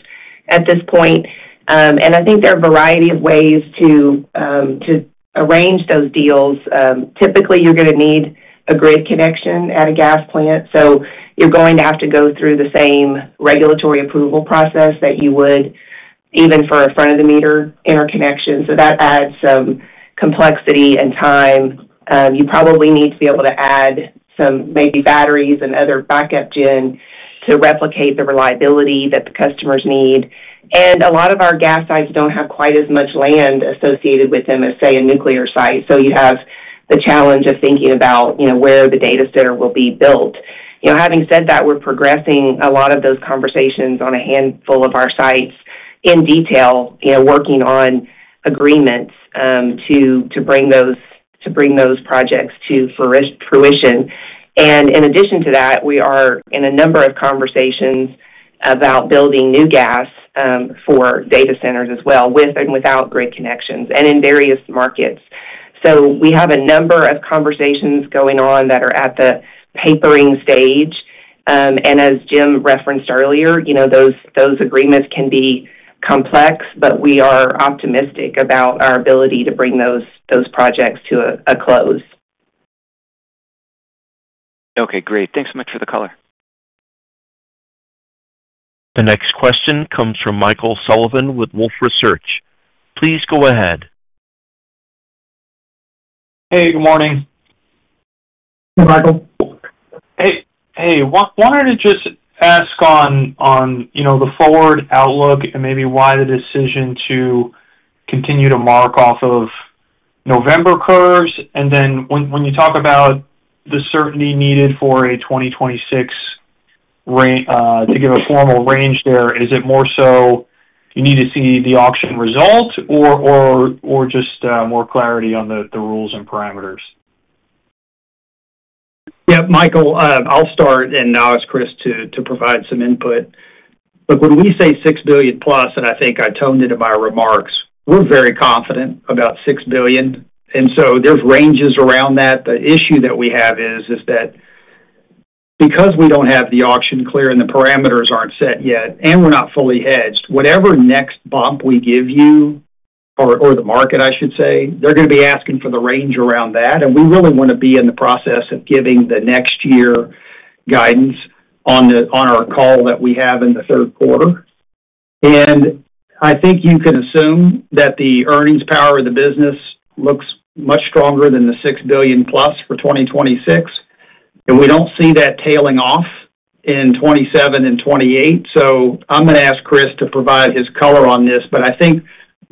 at this point, and I think there are a variety of ways to arrange those deals. Typically, you're going to need a grid connection at a gas plant, so you're going to have to go through the same regulatory approval process that you would even for a front-of-the-meter interconnection. So that adds some complexity and time. You probably need to be able to add some maybe batteries and other backup gen to replicate the reliability that the customers need. And a lot of our gas sites don't have quite as much land associated with them as, say, a nuclear site. So you have the challenge of thinking about where the data center will be built. Having said that, we're progressing a lot of those conversations on a handful of our sites in detail, working on agreements to bring those projects to fruition. And in addition to that, we are in a number of conversations about building new gas for data centers as well, with and without grid connections, and in various markets. So we have a number of conversations going on that are at the papering stage. As Jim referenced earlier, those agreements can be complex, but we are optimistic about our ability to bring those projects to a close. Okay. Great. Thanks so much for the color. The next question comes from Michael Sullivan with Wolfe Research. Please go ahead. Hey, good morning. Hey, Michael. Hey. Hey. Wanted to just ask on the forward outlook and maybe why the decision to continue to mark off of November curves. And then when you talk about the certainty needed for a 2026 to give a formal range there, is it more so you need to see the auction result or just more clarity on the rules and parameters? Yeah. Michael, I'll start, and now ask Kris to provide some input. Look, when we say $6+ billion, and I think I tuned into my remarks, we're very confident about $6 billion. And so there's ranges around that. The issue that we have is that because we don't have the auction clear and the parameters aren't set yet, and we're not fully hedged, whatever next bump we give you, or the market, I should say, they're going to be asking for the range around that. We really want to be in the process of giving the next year guidance on our call that we have in the third quarter. I think you can assume that the earnings power of the business looks much stronger than the $6+ billion for 2026. We don't see that tailing off in 2027 and 2028. So I'm going to ask Kris to provide his color on this. But I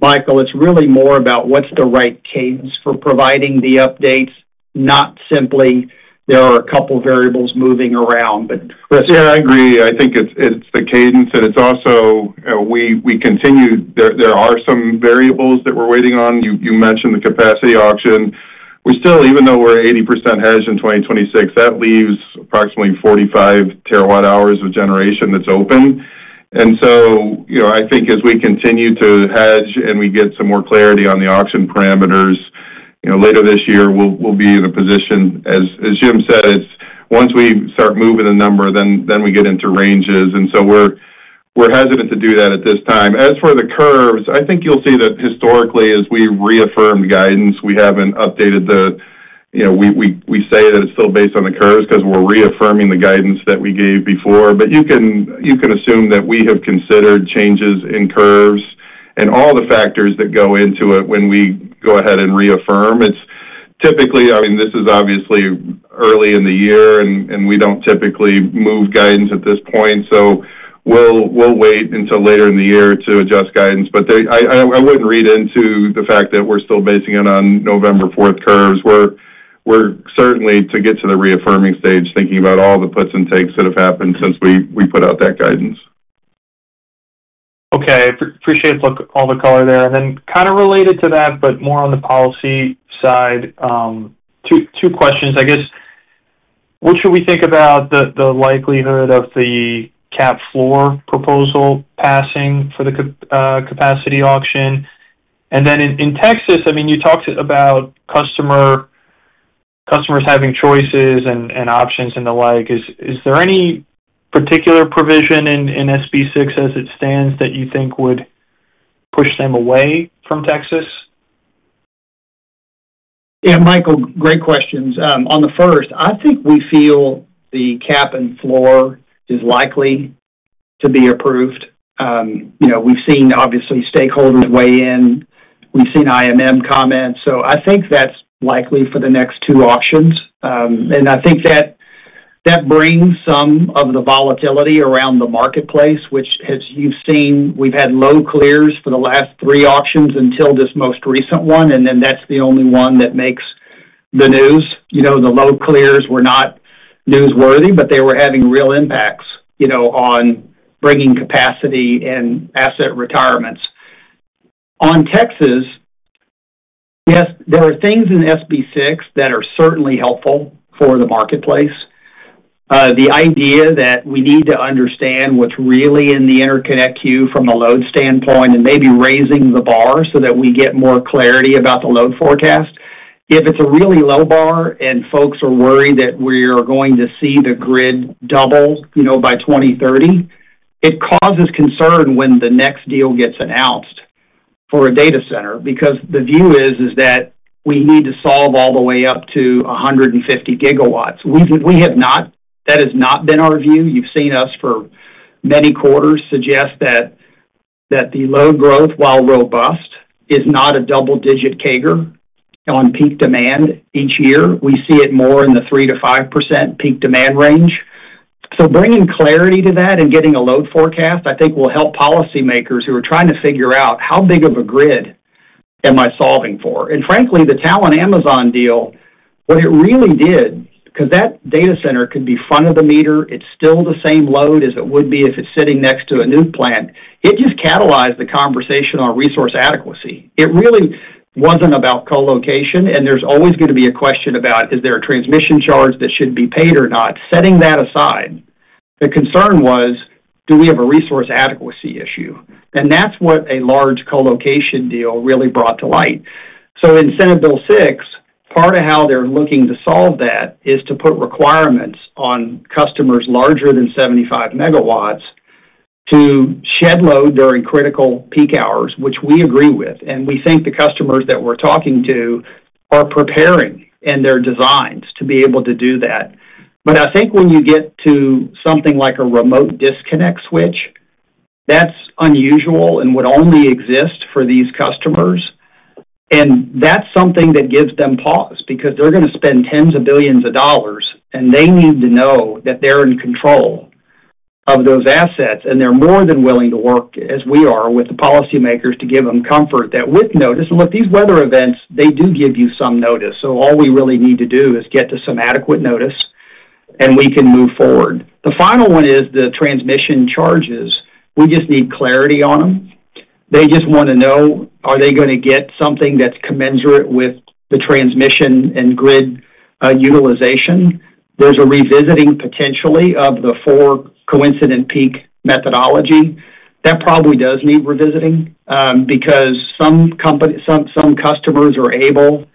think, Michael, it's really more about what's the right cadence for providing the updates, not simply, "There are a couple of variables moving around." But Kris. Yeah, I agree. I think it's the cadence. And it's also we continue. There are some variables that we're waiting on. You mentioned the capacity auction. Even though we're 80% hedged in 2026, that leaves approximately 45 terawatt hours of generation that's open. And so I think as we continue to hedge and we get some more clarity on the auction parameters later this year, we'll be in a position, as Jim said, once we start moving the number, then we get into ranges. And so we're hesitant to do that at this time. As for the curves, I think you'll see that historically, as we reaffirmed guidance, we haven't updated. We say that it's still based on the curves because we're reaffirming the guidance that we gave before. But you can assume that we have considered changes in curves and all the factors that go into it when we go ahead and reaffirm. Typically, I mean, this is obviously early in the year, and we don't typically move guidance at this point. So we'll wait until later in the year to adjust guidance. But I wouldn't read into the fact that we're still basing it on November 4th curves. We're certainly, to get to the reaffirming stage, thinking about all the puts and takes that have happened since we put out that guidance. Okay. Appreciate all the color there. And then kind of related to that, but more on the policy side, two questions. I guess, what should we think about the likelihood of the cap floor proposal passing for the capacity auction? And then in Texas, I mean, you talked about customers having choices and options and the like. Is there any particular provision in SB 6 as it stands that you think would push them away from Texas? Yeah, Michael, great questions. On the first, I think we feel the cap and floor is likely to be approved. We've seen, obviously, stakeholders weigh in. We've seen IMM comments. So I think that's likely for the next two auctions. And I think that brings some of the volatility around the marketplace, which, as you've seen, we've had low clears for the last three auctions until this most recent one, and then that's the only one that makes the news. The low clears were not newsworthy, but they were having real impacts on bringing capacity and asset retirements. On Texas, yes, there are things in SB 6 that are certainly helpful for the marketplace. The idea that we need to understand what's really in the interconnect queue from a load standpoint and maybe raising the bar so that we get more clarity about the load forecast. If it's a really low bar and folks are worried that we are going to see the grid double by 2030, it causes concern when the next deal gets announced for a data center because the view is that we need to solve all the way up to 150 GWs. That has not been our view. You've seen us for many quarters suggest that the load growth, while robust, is not a double-digit CAGR on peak demand each year. We see it more in the 3%-5% peak demand range. Bringing clarity to that and getting a load forecast, I think, will help policymakers who are trying to figure out, "How big of a grid am I solving for?" Frankly, the Talen Amazon deal, what it really did, because that data center could be front-of-the-meter, it's still the same load as it would be if it's sitting next to a nuke plant. It just catalyzed the conversation on resource adequacy. It really wasn't about co-location, and there's always going to be a question about, "Is there a transmission charge that should be paid or not?" Setting that aside, the concern was, "Do we have a resource adequacy issue?" That's what a large co-location deal really brought to light. So in Senate Bill 6, part of how they're looking to solve that is to put requirements on customers larger than 75 MWs to shed load during critical peak hours, which we agree with. And we think the customers that we're talking to are preparing in their designs to be able to do that. But I think when you get to something like a remote disconnect switch, that's unusual and would only exist for these customers. And that's something that gives them pause because they're going to spend tens of billions of dollars, and they need to know that they're in control of those assets. And they're more than willing to work, as we are, with the policymakers to give them comfort that with notice. And look, these weather events, they do give you some notice. So all we really need to do is get to some adequate notice, and we can move forward. The final one is the transmission charges. We just need clarity on them. They just want to know, "Are they going to get something that's commensurate with the transmission and grid utilization?" There's a revisiting potentially of the Four Coincident Peak methodology. That probably does need revisiting because some customers are able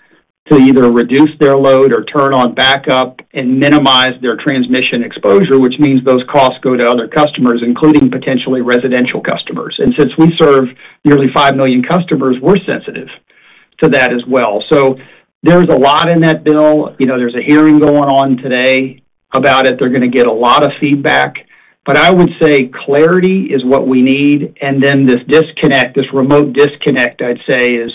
to either reduce their load or turn on backup and minimize their transmission exposure, which means those costs go to other customers, including potentially residential customers. And since we serve nearly five million customers, we're sensitive to that as well. So there's a lot in that bill. There's a hearing going on today about it. They're going to get a lot of feedback. But I would say clarity is what we need. And then this disconnect, this remote disconnect, I'd say, is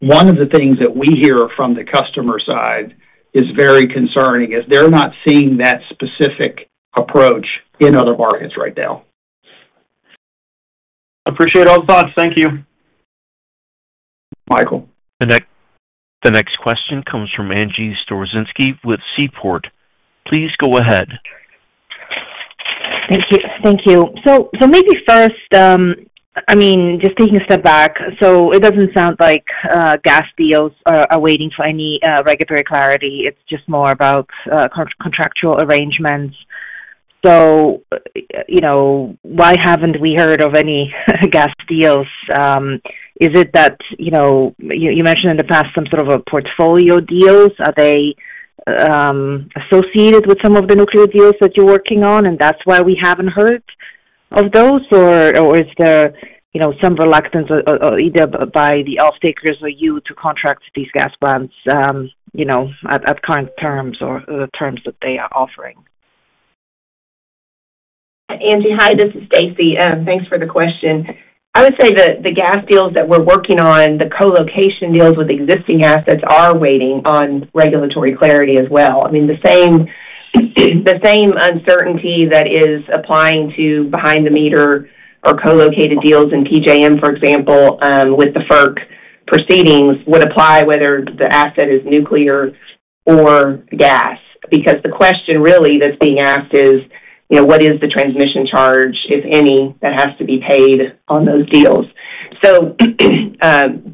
one of the things that we hear from the customer side is very concerning, is they're not seeing that specific approach in other markets right now. I appreciate all the thoughts. Thank you. Michael. The next question comes from Angie Storozynski with Seaport. Please go ahead. Thank you. So maybe first, I mean, just taking a step back, so it doesn't sound like gas deals are waiting for any regulatory clarity. It's just more about contractual arrangements. So why haven't we heard of any gas deals? Is it that you mentioned in the past some sort of portfolio deals? Are they associated with some of the nuclear deals that you're working on, and that's why we haven't heard of those? Or is there some reluctance either by the off-takers or you to contract these gas plants at current terms or the terms that they are offering? Angie, hi. This is Stacey. Thanks for the question. I would say the gas deals that we're working on, the co-location deals with existing assets are waiting on regulatory clarity as well. I mean, the same uncertainty that is applying to behind-the-meter or co-located deals in PJM, for example, with the FERC proceedings would apply whether the asset is nuclear or gas. Because the question really that's being asked is, "What is the transmission charge, if any, that has to be paid on those deals?" So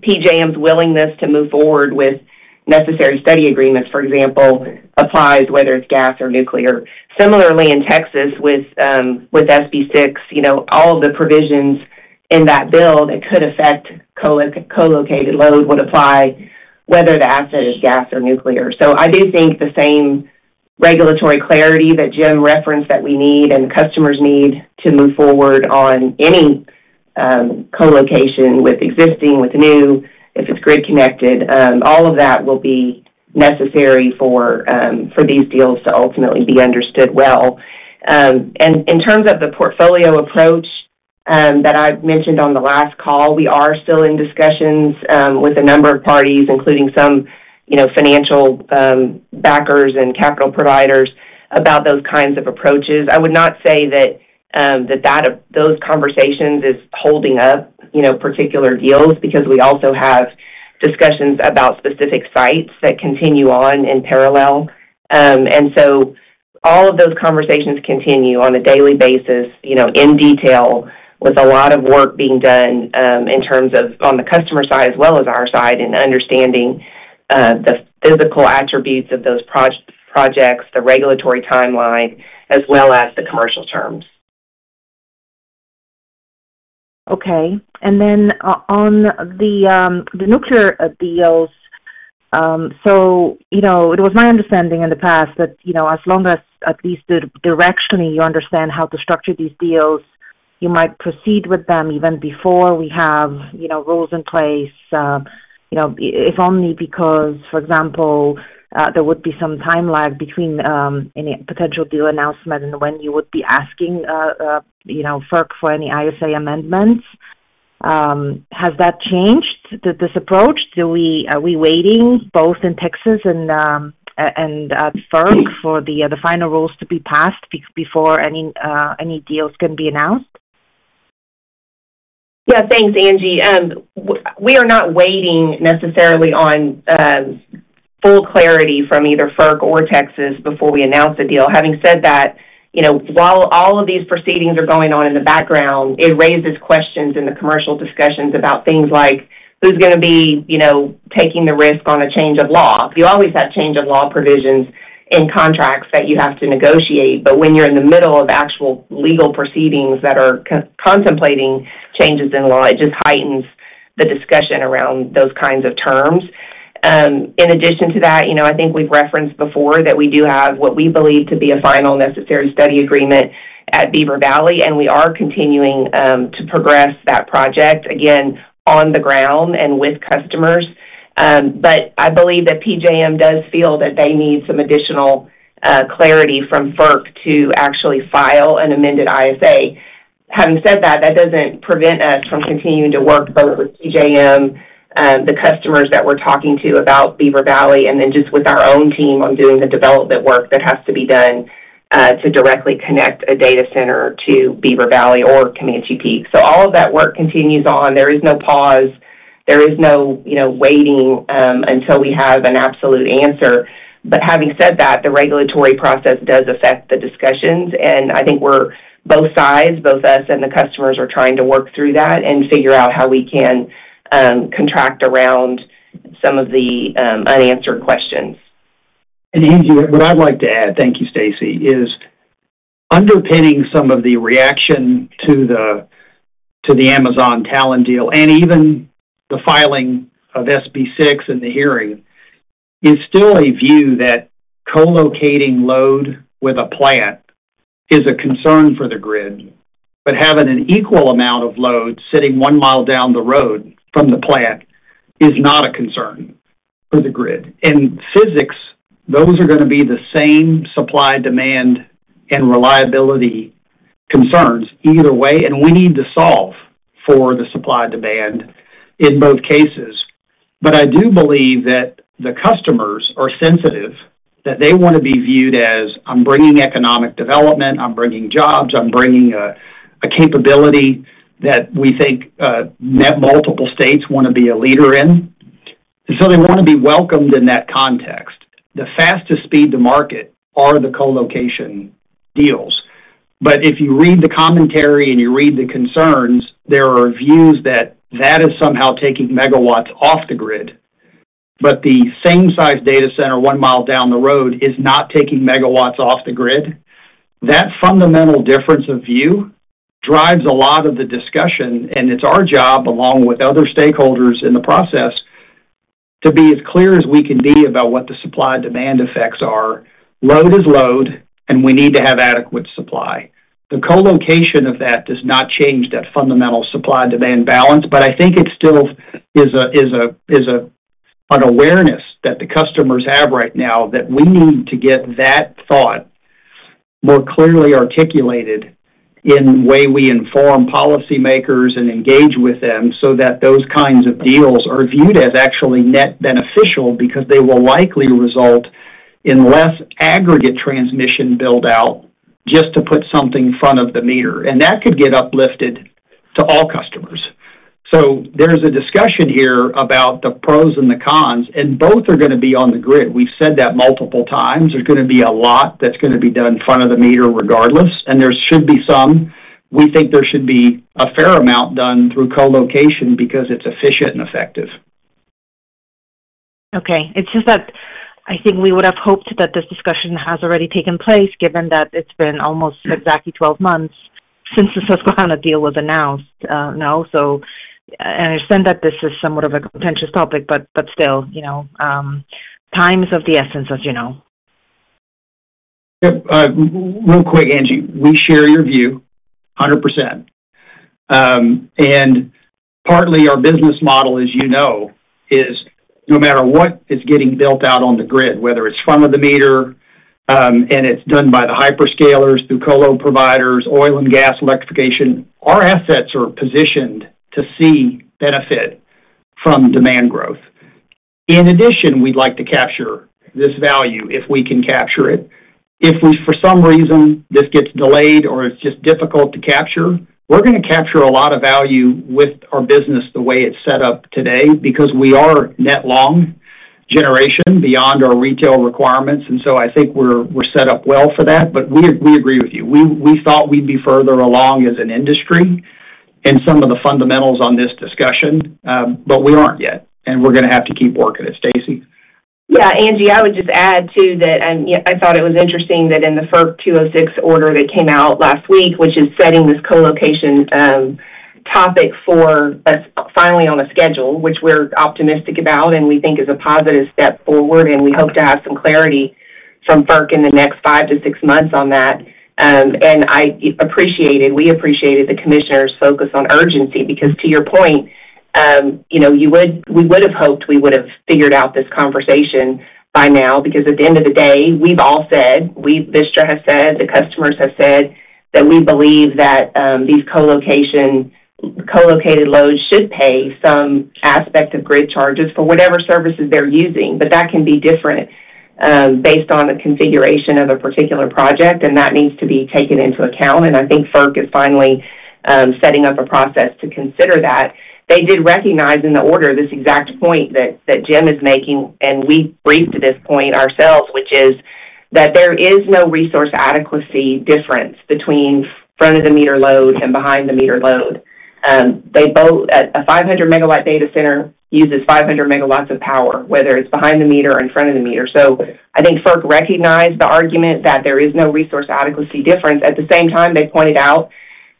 PJM's willingness to move forward with necessary study agreements, for example, applies whether it's gas or nuclear. Similarly, in Texas with SB 6, all of the provisions in that bill that could affect co-located load would apply whether the asset is gas or nuclear, so I do think the same regulatory clarity that Jim referenced that we need and the customers need to move forward on any co-location with existing, with new, if it's grid-connected, all of that will be necessary for these deals to ultimately be understood well, and in terms of the portfolio approach that I've mentioned on the last call, we are still in discussions with a number of parties, including some financial backers and capital providers, about those kinds of approaches. I would not say that those conversations are holding up particular deals because we also have discussions about specific sites that continue on in parallel. And so all of those conversations continue on a daily basis in detail with a lot of work being done in terms of on the customer side as well as our side in understanding the physical attributes of those projects, the regulatory timeline, as well as the commercial terms. Okay. And then on the nuclear deals, so it was my understanding in the past that as long as at least directionally you understand how to structure these deals, you might proceed with them even before we have rules in place. If only because, for example, there would be some time lag between any potential deal announcement and when you would be asking FERC for any ISA amendments. Has that changed, this approach? Are we waiting both in Texas and FERC for the final rules to be passed before any deals can be announced? Yeah. Thanks, Angie. We are not waiting necessarily on full clarity from either FERC or Texas before we announce a deal. Having said that, while all of these proceedings are going on in the background, it raises questions in the commercial discussions about things like, "Who's going to be taking the risk on a change of law?" You always have change-of-law provisions in contracts that you have to negotiate. But when you're in the middle of actual legal proceedings that are contemplating changes in law, it just heightens the discussion around those kinds of terms. In addition to that, I think we've referenced before that we do have what we believe to be a final necessary study agreement at Beaver Valley, and we are continuing to progress that project, again, on the ground and with customers. But I believe that PJM does feel that they need some additional clarity from FERC to actually file an amended ISA. Having said that, that doesn't prevent us from continuing to work both with PJM, the customers that we're talking to about Beaver Valley, and then just with our own team on doing the development work that has to be done to directly connect a data center to Beaver Valley or Comanche Peak. So all of that work continues on. There is no pause. There is no waiting until we have an absolute answer. But having said that, the regulatory process does affect the discussions. And I think we're both sides, both us and the customers, are trying to work through that and figure out how we can contract around some of the unanswered questions. Angie, what I'd like to add, thank you, Stacey, is underpinning some of the reaction to the Amazon Talen deal and even the filing of SB 6 and the hearing, is still a view that co-locating load with a plant is a concern for the grid. But having an equal amount of load sitting one mile down the road from the plant is not a concern for the grid. In physics, those are going to be the same supply-demand and reliability concerns either way, and we need to solve for the supply-demand in both cases. But I do believe that the customers are sensitive, that they want to be viewed as, "I'm bringing economic development. I'm bringing jobs. I'm bringing a capability that we think multiple states want to be a leader in." And so they want to be welcomed in that context. The fastest speed to market are the co-location deals. But if you read the commentary and you read the concerns, there are views that that is somehow taking megawatts off the grid. But the same-sized data center one mile down the road is not taking megawatts off the grid. That fundamental difference of view drives a lot of the discussion. And it's our job, along with other stakeholders in the process, to be as clear as we can be about what the supply-demand effects are. Load is load, and we need to have adequate supply. The co-location of that does not change that fundamental supply-demand balance. But I think it still is an awareness that the customers have right now that we need to get that thought more clearly articulated in the way we inform policymakers and engage with them so that those kinds of deals are viewed as actually net beneficial because they will likely result in less aggregate transmission buildout just to put something front-of-the-meter. And that could get uplifted to all customers. So there's a discussion here about the pros and the cons, and both are going to be on the grid. We've said that multiple times. There's going to be a lot that's going to be done front-of-the-meter regardless. And there should be some. We think there should be a fair amount done through co-location because it's efficient and effective. Okay. It's just that I think we would have hoped that this discussion has already taken place given that it's been almost exactly 12 months since the Susquehanna deal was announced, and I understand that this is somewhat of a contentious topic, but still, time is of the essence, as you know. Yep. Real quick, Angie. We share your view 100%, and partly our business model, as you know, is no matter what is getting built out on the grid, whether it's front-of-the-meter and it's done by the hyperscalers through co-lo providers, oil and gas electrification, our assets are positioned to see benefit from demand growth. In addition, we'd like to capture this value if we can capture it. If for some reason this gets delayed or it's just difficult to capture, we're going to capture a lot of value with our business the way it's set up today because we are net long generation beyond our retail requirements. And so I think we're set up well for that. But we agree with you. We thought we'd be further along as an industry in some of the fundamentals on this discussion, but we aren't yet. And we're going to have to keep working it, Stacey. Yeah. Angie, I would just add too that I thought it was interesting that in the FERC 206 order that came out last week, which is setting this co-location topic for us finally on a schedule, which we're optimistic about and we think is a positive step forward. We hope to have some clarity from FERC in the next five to six months on that. We appreciated the commissioner's focus on urgency because, to your point, we would have hoped we would have figured out this conversation by now. At the end of the day, we've all said, Vistra has said, the customers have said that we believe that these co-located loads should pay some aspect of grid charges for whatever services they're using. That can be different based on the configuration of a particular project, and that needs to be taken into account. I think FERC is finally setting up a process to consider that. They did recognize in the order this exact point that Jim is making, and we briefed to this point ourselves, which is that there is no resource adequacy difference between front-of-the-meter load and behind-the-meter load. A 500-MW data center uses 500 MWs of power, whether it's behind the meter or in front of the meter, so I think FERC recognized the argument that there is no resource adequacy difference. At the same time, they pointed out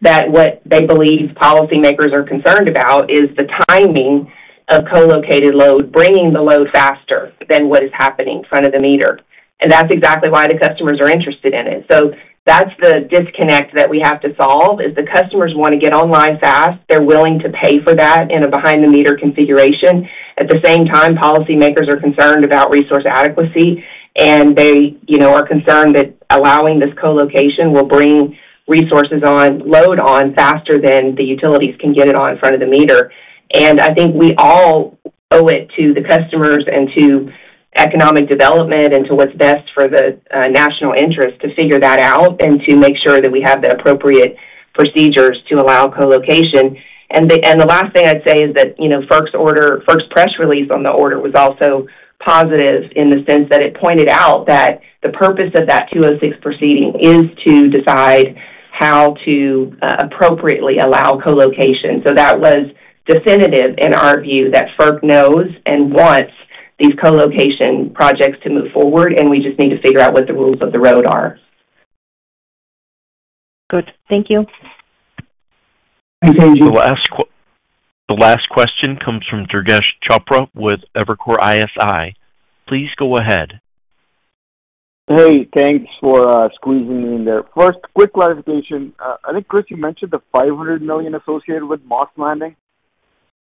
that what they believe policymakers are concerned about is the timing of co-located load bringing the load faster than what is happening front-of-the-meter, and that's exactly why the customers are interested in it, so that's the disconnect that we have to solve. If the customers want to get online fast, they're willing to pay for that in a behind-the-meter configuration. At the same time, policymakers are concerned about resource adequacy, and they are concerned that allowing this co-location will bring load on faster than the utilities can get it on front-of-the-meter. And I think we all owe it to the customers and to economic development and to what's best for the national interest to figure that out and to make sure that we have the appropriate procedures to allow co-location. And the last thing I'd say is that FERC's press release on the order was also positive in the sense that it pointed out that the purpose of that 206 proceeding is to decide how to appropriately allow co-location. So that was definitive in our view that FERC knows and wants these co-location projects to move forward, and we just need to figure out what the rules of the road are. Good. Thank you. Thanks, Angie. The last question comes from Durgesh Chopra with Evercore ISI. Please go ahead. Hey. Thanks for squeezing me in there. First, quick clarification. I think, Kris, you mentioned the $500 million associated with Moss Landing.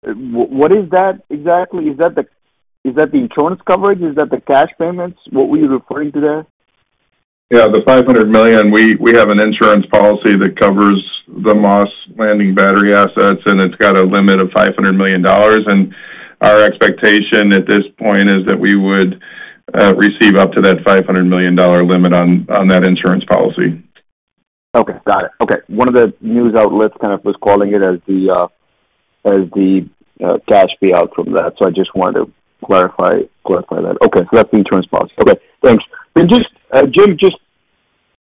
What is that exactly? Is that the insurance coverage? Is that the cash payments? What were you referring to there? Yeah. The $500 million. We have an insurance policy that covers the Moss Landing battery assets, and it's got a limit of $500 million. And our expectation at this point is that we would receive up to that $500 million limit on that insurance policy. Okay. Got it. Okay. One of the news outlets kind of was calling it as the cash payout from that. So I just wanted to clarify that. Okay. So that's the insurance policy. Okay. Thanks. Jim, just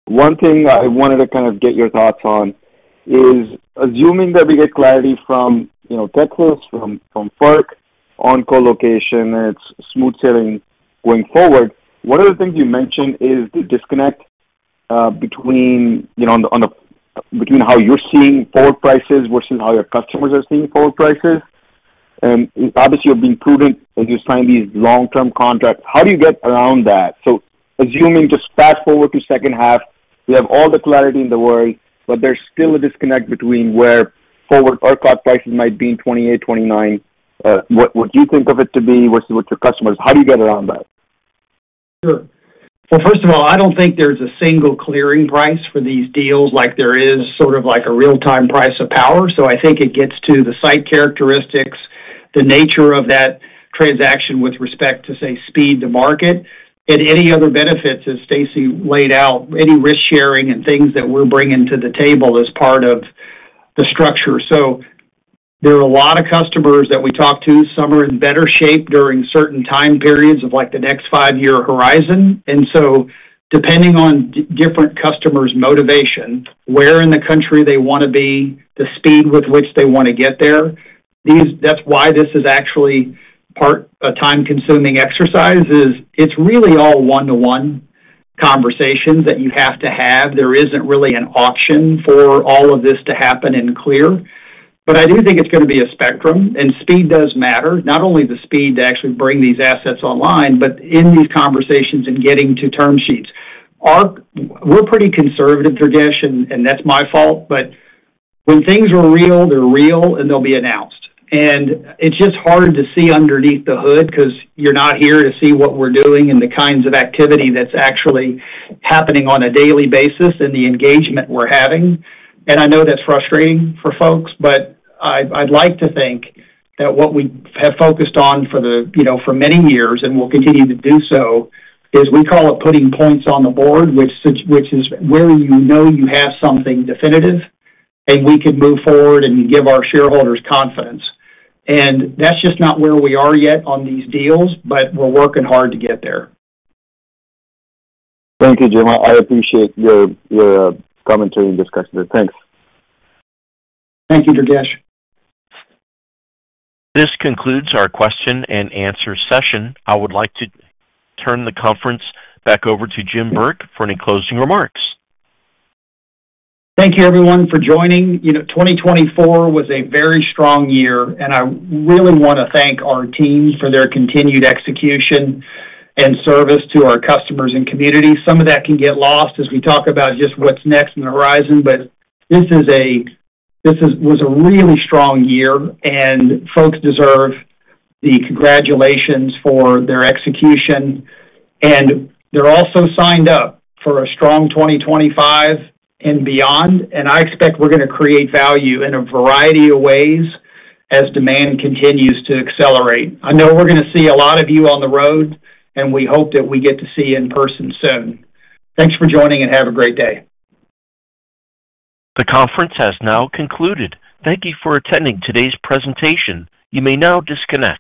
one thing I wanted to kind of get your thoughts on is, assuming that we get clarity from Texas, from FERC on co-location, it's smooth sailing going forward. One of the things you mentioned is the disconnect between how you're seeing forward prices versus how your customers are seeing forward prices. And obviously, you're being prudent as you sign these long-term contracts. How do you get around that? So assuming just fast forward to second half, we have all the clarity in the world, but there's still a disconnect between where forward or clock prices might be in 2028, 2029. What do you think of it to be versus what your customers, how do you get around that? Sure. Well, first of all, I don't think there's a single clearing price for these deals like there is sort of a real-time price of power. So I think it gets to the site characteristics, the nature of that transaction with respect to, say, speed to market, and any other benefits, as Stacey laid out, any risk-sharing and things that we're bringing to the table as part of the structure. So there are a lot of customers that we talk to. Some are in better shape during certain time periods of the next five-year horizon. And so depending on different customers' motivation, where in the country they want to be, the speed with which they want to get there, that's why this is actually a time-consuming exercise. It's really all one-to-one conversations that you have to have. There isn't really an option for all of this to happen in bulk. But I do think it's going to be a spectrum. Speed does matter, not only the speed to actually bring these assets online, but in these conversations and getting to term sheets. We're pretty conservative, Durgesh, and that's my fault. But when things are real, they're real, and they'll be announced. And it's just hard to see underneath the hood because you're not here to see what we're doing and the kinds of activity that's actually happening on a daily basis and the engagement we're having. And I know that's frustrating for folks, but I'd like to think that what we have focused on for many years and will continue to do so is we call it putting points on the board, which is where you know you have something definitive, and we can move forward and give our shareholders confidence. And that's just not where we are yet on these deals, but we're working hard to get there. Thank you, Jim. I appreciate your commentary and discussion there. Thanks. Thank you, Durgesh. This concludes our question-and-answer session. I would like to turn the conference back over to Jim Burke for any closing remarks. Thank you, everyone, for joining. 2024 was a very strong year, and I really want to thank our team for their continued execution and service to our customers and community. Some of that can get lost as we talk about just what's next on the horizon, but this was a really strong year, and folks deserve the congratulations for their execution, and they're also signed up for a strong 2025 and beyond, and I expect we're going to create value in a variety of ways as demand continues to accelerate. I know we're going to see a lot of you on the road, and we hope that we get to see you in person soon. Thanks for joining, and have a great day. The conference has now concluded. Thank you for attending today's presentation. You may now disconnect.